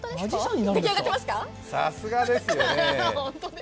さすがですねぇ。